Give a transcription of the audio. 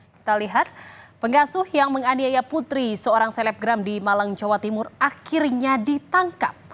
kita lihat pengasuh yang menganiaya putri seorang selebgram di malang jawa timur akhirnya ditangkap